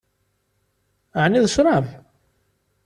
Ɛni d ccṛab?